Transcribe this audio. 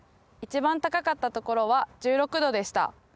一番高かったところは１６℃でした。